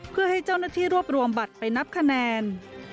เพื่อให้เจ้าหน้าที่รวบรวมบัตรไปนับคะแนน